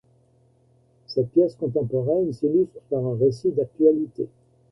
Cette pièce contemporaine s’illustre par un récit d’actualité.